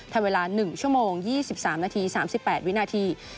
ทำเวลา๑ชั่วโมง๒๓นาที๓๘วินาที